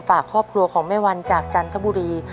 ฝากครอบครัวของแม่วันจากจันทบุรี